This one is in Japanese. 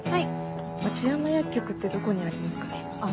町山薬局ってどこにありますかね。